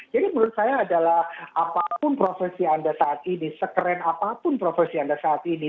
jadi menurut saya adalah apapun profesi anda saat ini sekeren apapun profesi anda saat ini